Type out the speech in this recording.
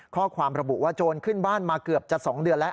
ข้อความระบุว่าโจรขึ้นบ้านมาเกือบจะ๒เดือนแล้ว